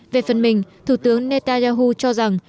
về phần mình thủ tướng netanyahu cho rằng